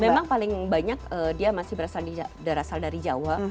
memang paling banyak dia masih berasal dari jawa